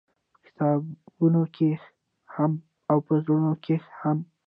په کتابونو کښې هم او په زړونو کښې هم-